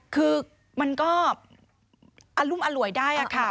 คือมันก็อรุมอร่วยได้ค่ะ